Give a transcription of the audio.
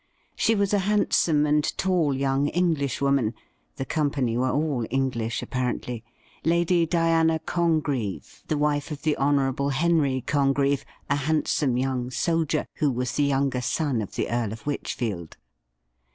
She was a handsome and tall young Englishwoman — the company were all English, apparently — Lady Diana Congreve, the wife of the Hon. Henry Congreve, a handsome young soldier, who was the younger son of the Earl of Wychfield.